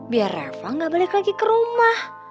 biar reva gak balik lagi ke rumah